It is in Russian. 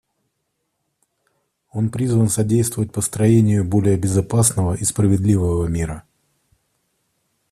Он призван содействовать построению более безопасного и справедливого мира.